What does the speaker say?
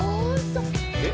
え？